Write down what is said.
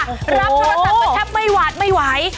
รับโทรศัพท์ไปแทบไม่ไหว